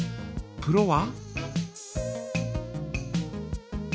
プロは？